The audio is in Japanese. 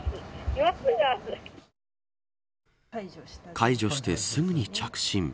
解除してすぐに着信。